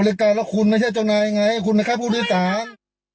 บริการแล้วคุณน่ะจ้าเจ้าจังรายไงคุณแค่ผู้อุดิสัน